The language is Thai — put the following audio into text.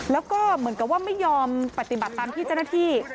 แล้วก็เหมือนกับว่าไม่ยอมปฏิบัติตามที่เจ้าหน้าที่